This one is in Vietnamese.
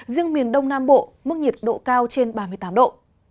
riêng miền đông nam bộ mức nhiệt độ cao trên ba mươi tám độ